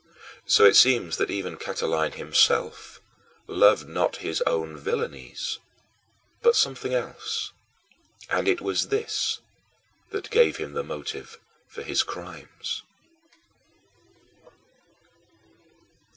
So it seems that even Catiline himself loved not his own villainies, but something else, and it was this that gave him the motive for his crimes.